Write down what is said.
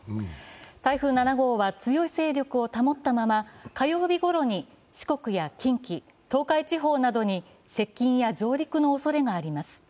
台風７号は強い勢力を保ったまま、火曜日ごろに四国や近畿、東海地方などに接近や上陸のおそれがあります。